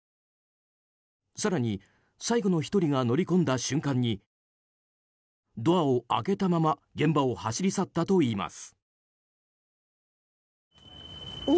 更に、最後の１人が乗り込んだ瞬間にドアを開けたまま現場を走り去ったといいます。